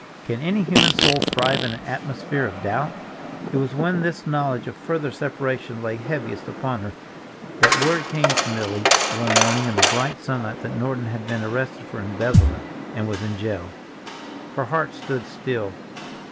Can any human soul thrive in an atmosphere of doubt? It was when this knowledge of further separation lay heaviest upon her, that word came to Milly one morning in the bright sunlight that Norton had been arrested for embezzlement and was in jail. Her heart stood still.